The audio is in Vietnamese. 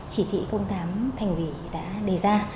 chỉ thị tám thành ủy đã đề ra